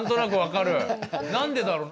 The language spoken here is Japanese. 何でだろう？